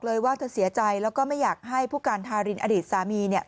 ว่าเธอเสียใจแล้วก็ไม่อยากให้ผู้การทารินอดีตสามีเนี่ย